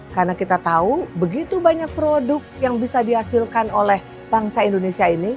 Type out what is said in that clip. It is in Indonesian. karena kita tahu begitu banyak produk yang bisa dihasilkan oleh bangsa indonesia ini